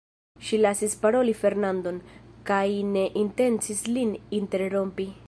Ŝi lasis paroli Fernandon, kaj ne intencis lin interrompi.